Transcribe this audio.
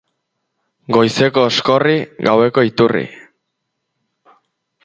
Goizeko oskorri, gaueko iturri.